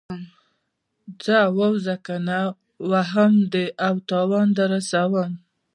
ځه ووځه کنه وهم دې او تاوان در رسوم.